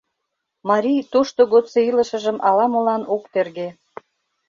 Марий тошто годсо илышыжым ала-молан ок терге.